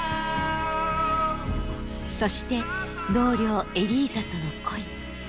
そして同僚エリーザとの恋。